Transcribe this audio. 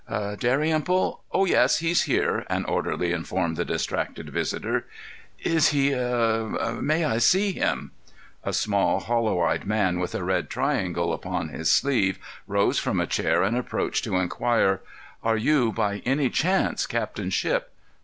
"Dalrymple? Oh yes, he's here," an orderly informed the distracted visitor. "Is he— May I see him?" A small, hollow eyed man with a red triangle upon his sleeve rose from a chair and approached to inquire: "Are you, by any chance, Captain Shipp?"